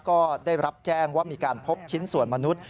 ก็ได้รับแจ้งว่ามีการพบชิ้นส่วนมนุษย์